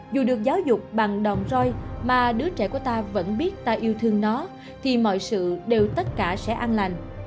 dù được giáo dục bằng đòn roy mà đứa trẻ của ta vẫn biết ta yêu thương nó thì mọi sự đều tất cả sẽ an lành